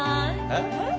えっ？